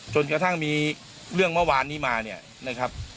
จนกระทั่งมีเรื่องเมื่อวานนี้มา